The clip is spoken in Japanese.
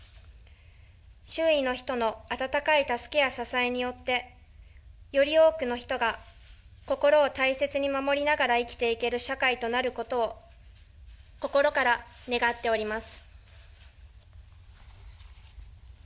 周囲の人の温かい助けや支えによって、より多くの人が心を大切に守りながら、生きていける社会となることを心から願っております。